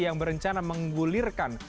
yang berencana menggulirkan